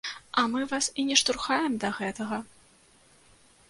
А мы вас і не штурхаем да гэтага.